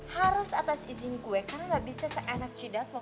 harus atas izin gue karena gak bisa seenap cidat lo